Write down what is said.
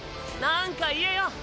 何か言えよ。